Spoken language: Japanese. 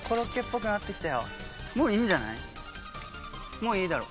もういいだろ